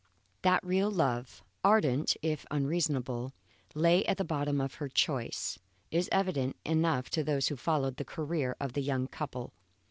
That real love, ardent if unreasonable, lay at the bottom of her choice, is evident enough to those who followed the career of the young couple.